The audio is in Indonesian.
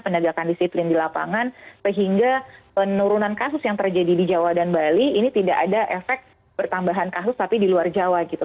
penegakan disiplin di lapangan sehingga penurunan kasus yang terjadi di jawa dan bali ini tidak ada efek bertambahan kasus tapi di luar jawa gitu